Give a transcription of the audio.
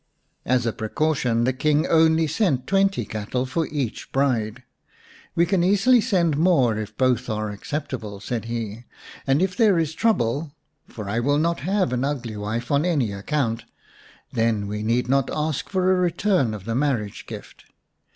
As a precaution the King only sent twenty cattle for each bride. " We can easily send more if both are acceptable," said he ;" and if there is trouble (for I will not have an ugly wife on any account), then we need not ask for a return of the marriage gift.